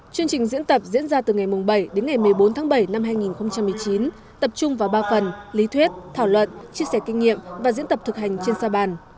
chương trình diễn tập diễn ra từ ngày bảy đến ngày một mươi bốn tháng bảy năm hai nghìn một mươi chín tập trung vào ba phần lý thuyết thảo luận chia sẻ kinh nghiệm và diễn tập thực hành trên sa bàn